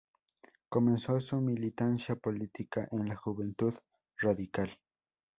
Comenzó su militancia política en la Juventud Radical.